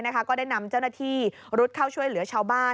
ก็ได้นำเจ้าหน้าที่รุดเข้าช่วยเหลือชาวบ้าน